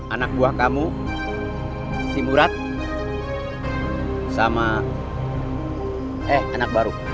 anak buah kamu si burat sama eh anak baru